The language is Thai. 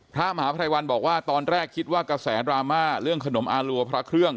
พระมหาภัยวันบอกว่าตอนแรกคิดว่ากระแสดราม่าเรื่องขนมอารัวพระเครื่อง